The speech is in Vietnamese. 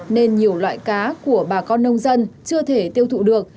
nên nhiều loại cá của bà con nông dân chưa thể tiêu thụ được